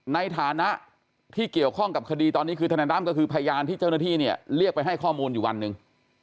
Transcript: ในฐานะที่เกี่ยวข้องกับคดีตอนนี้คือธนายตั้มก็คือพยานที่เจ้าหน้าที่เนี่ยเรียกไปให้ข้อมูลอยู่วันหนึ่ง